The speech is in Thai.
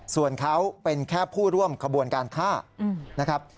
ส่วนเขาเป็นแค่ผู้ร่วมขบวนการฆ่านะครับ